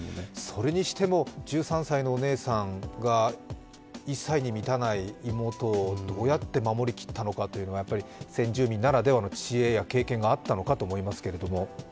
それにしても、１３歳のお姉さんが、１歳に満たない妹をどうやって守りきったのかというのは、先住民ならではの知恵や経験があったのかと思いますけれども。